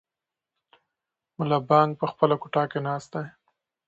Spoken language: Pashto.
ملا بانګ په خپله کوټه کې ناست دی.